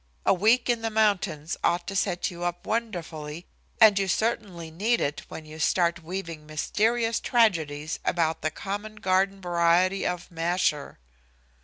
A week in the mountains ought to set you up wonderfully, and you certainly need it when you start weaving mysterious tragedies about the commoner garden variety of 'masher.'"